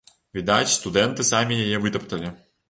Відаць, студэнты самі яе вытапталі.